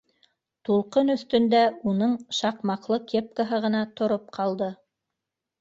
Тулҡын өҫтөндә уның шаҡмаҡлы кепкаһы ғына тороп ҡалды.